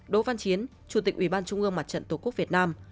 đỗ văn chiến chủ tịch ủy ban trung ương mặt trận tổ quốc việt nam